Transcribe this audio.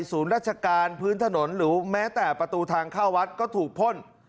ศูนย์ราชการพื้นถนนหรือแม้แต่ประตูทางเข้าวัดก็ถูกพ่น